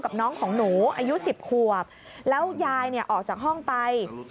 กับน้องของหนูอายุ๑๐ขวบแล้วยายออกจากห้องไป